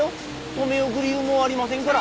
留め置く理由もありませんから。